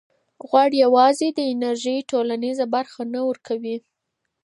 غوړ یوازې د انرژۍ ټولیزه برخه نه ورکوي.